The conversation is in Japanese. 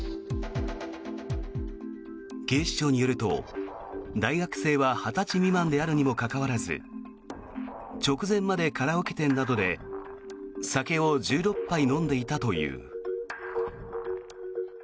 警視庁によると、大学生は２０歳未満であるにもかかわらず直前までカラオケ店で酒を１６杯飲んでいたという。